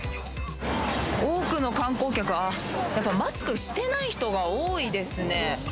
多くの観光客、あっ、やっぱマスクしてない人が多いですね。